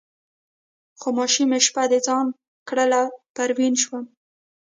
خاموشي مې شپه د ځان کړله پروین شوم